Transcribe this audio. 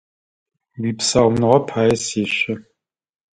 Уипсауныгъэ пае сешъо!